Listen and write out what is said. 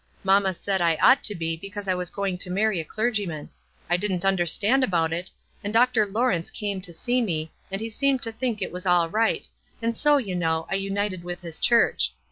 Mamma said I ought to be, because I was going to marry a clergyman. I didn't understand about it, and Dr. Lawrence came to see me, and he seemed to think it was all right, and so, you know, I united with his church.